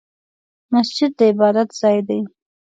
مسجد د عبادت ځای دی